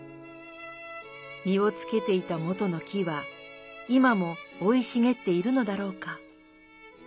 実をつけていたもとの樹は今も生いしげっているのだろうか。